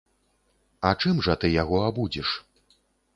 А чым жа ты яго абудзіш?